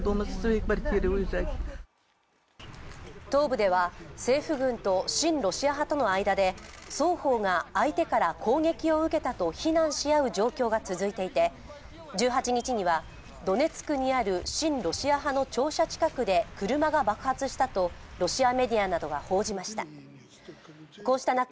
東部では政府軍と親ロシア派との間で双方が相手から攻撃を受けたと非難し合う状況が続いていて、１８日には親ロシア派の庁舎近くで車が爆発したとロシアメディアなどが報じました。